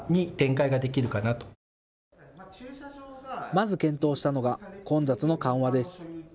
まず検討したのが混雑の緩和です。